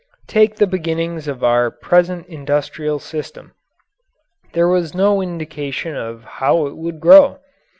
Take the beginnings of our present industrial system. There was no indication of how it would grow.